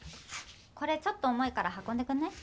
これちょっと重いから運んでくんない？